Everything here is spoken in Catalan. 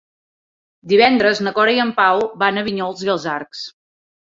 Divendres na Cora i en Pau van a Vinyols i els Arcs.